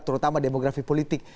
terutama demografi politik